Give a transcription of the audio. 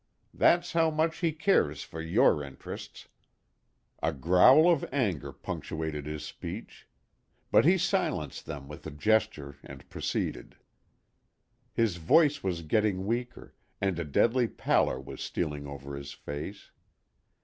That's how much he cares for your interests." A growl of anger punctuated his speech. But he silenced them with a gesture and proceeded. His voice was getting weaker, and a deadly pallor was stealing over his face.